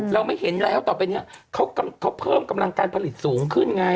เราไม่เห็นแล้วต่อไปเนี่ยเขาเพิ่มกำลังการผลิตสูงขึ้นไง